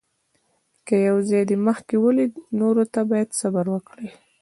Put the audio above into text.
که یو ځای دې مخکې ولید، نورو ته باید صبر وکړې.